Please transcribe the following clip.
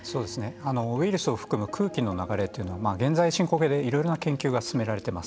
ウイルスを含む空気の流れというのは現在進行形でいろいろな研究が進められています。